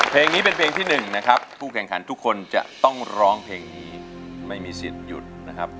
เพลงนี้เป็นเพลงที่๑นะครับผู้แข่งขันทุกคนจะต้องร้องเพลงนี้ไม่มีสิทธิ์หยุดนะครับ